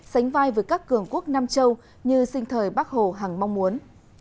sánh vai với các cường quốc nam châu như sinh thời bác hồ hằng mong muốn